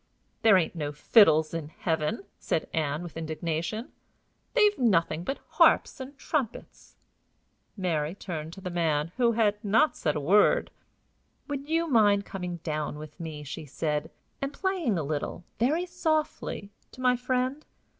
"There ain't no fiddles in heaven," said Ann, with indignation; "they've nothing there but harps and trumpets." Mary turned to the man, who had not said a word. "Would you mind coming down with me," she said, "and playing a little, very softly, to my friend?